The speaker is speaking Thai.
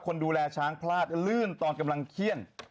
คนดูแลช้างพลาดลื่นตอนกำลังเขี้ยน